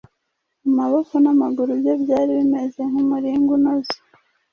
amaboko n’amaguru bye byari bimeze nk’umuringa unoze.